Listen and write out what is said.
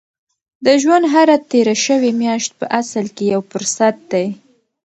د ژوند هره تېره شوې میاشت په اصل کې یو فرصت دی.